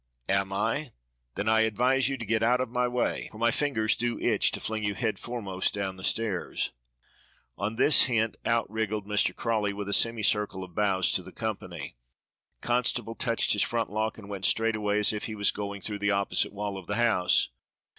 "Am I? Then I advise you to get out of my way, for my fingers do itch to fling you headforemost down the stairs." On this hint out wriggled Mr. Crawley with a semicircle of bows to the company. Constable touched his frontlock and went straight away as if he was going through the opposite wall of the house.